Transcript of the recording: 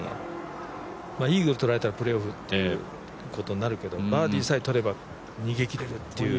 イーグルとられたらプレーオフということになるけど、バーディーさえとれば逃げ切れるっていう。